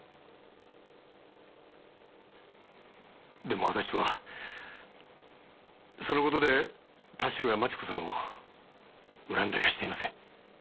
でも私はその事で田代や万智子さんを恨んだりはしていません。